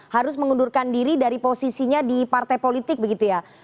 harus mengundurkan diri dari posisinya di partai politik begitu ya